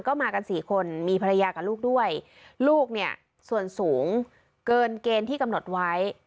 ก็มากันสี่คนมีภรรยากับลูกด้วยลูกเนี่ยส่วนสูงเกินเกณฑ์ที่กำหนดไว้